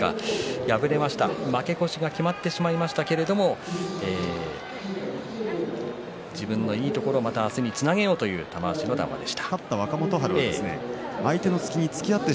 負け越しは決まってしまいましたけれど自分のいいところをまた明日につなげようという玉鷲の談話です。